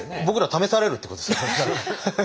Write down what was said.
僕らが試されるっていうことですか。